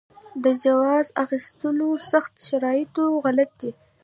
د جواز اخیستلو سخت شرایط غلط دي.